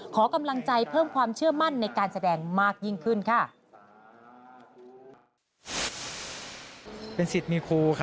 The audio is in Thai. ขอกำลังใจเพิ่มความเชื่อมั่นในการแสดงมากยิ่งขึ้นค่ะ